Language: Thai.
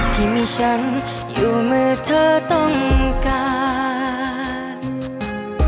ที่มีฉันอยู่เมื่อเธอต้องการ